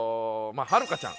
はるかちゃん。